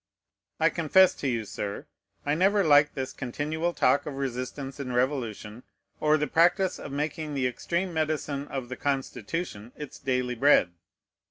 I confess to you, Sir, I never liked this continual talk of resistance and revolution, or the practice of making the extreme medicine of the Constitution its daily bread.